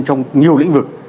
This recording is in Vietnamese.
trong nhiều lĩnh vực